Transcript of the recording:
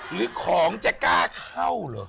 หรือของจะกล้าเข้าเหรอ